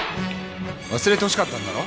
忘れてほしかったんだろ！？